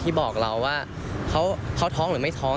บอกเราว่าเขาท้องหรือไม่ท้อง